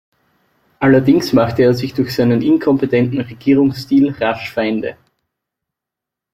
Allerdings machte er sich durch seinen inkompetenten Regierungsstil rasch Feinde.